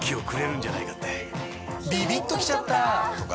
ビビッときちゃった！とか